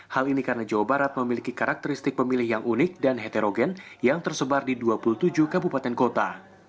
hal ini karena jawa barat memiliki karakteristik pemilih yang unik dan heterogen yang tersebar di dua puluh tujuh kabupaten kota